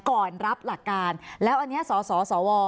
ก่อนรับหลักการแล้วอันนี้สสว